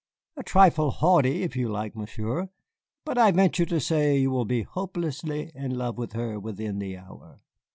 A trifle haughty, if you like, Monsieur, but I venture to say you will be hopelessly in love with her within the hour."